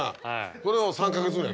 これを３か月ぐらい。